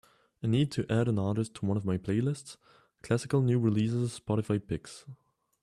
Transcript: I need to add an artist to one of my playlists, Classical New Releases Spotify Picks.